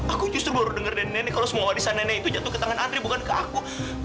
aku justru baru dengar dan nenek kalau semua warisan nenek itu jatuh ke tangan andri bukan ke aku